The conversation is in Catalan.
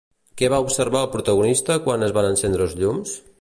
Què va observar el protagonista quan es van encendre els llums?